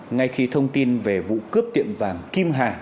ngay khi thông tin về vụ cướp tiệm vàng kim hà